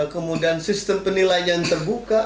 kemudian sistem penilaian terbuka